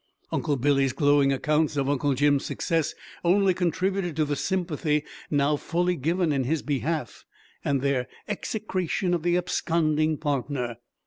Uncle Billy's glowing accounts of Uncle Jim's success only contributed to the sympathy now fully given in his behalf and their execration of the absconding partner.